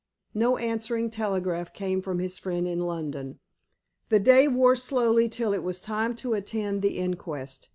No answering telegram came from his friend in London. The day wore slowly till it was time to attend the inquest.